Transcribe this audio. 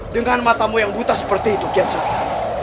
dengan matamu yang butas seperti itu godzilla